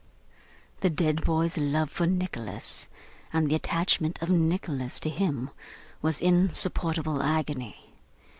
The dead boy's love for Nicholas, and the attachment of Nicholas to him, was insupportable agony.